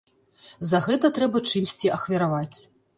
За гэта трэба чымсьці ахвяраваць.